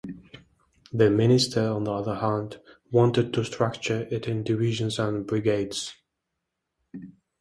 The minister, on the other hand, wanted to structure it in divisions and brigades.